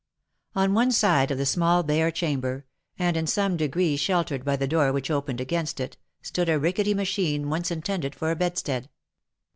On one side of the small bare chamber, and in some degree shel tered by the door which opened against it, stood a rickety machine once intended for a bedstead.